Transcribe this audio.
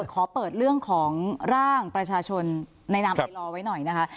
ขอเปิดเรื่องของร่างประชาชนในนามไปรอไว้หน่อยนะคะ